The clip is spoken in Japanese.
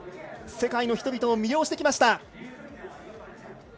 世界の人々を魅了してきました。